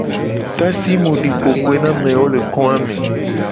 Tasi mu di kokoe na amewo le ko a me.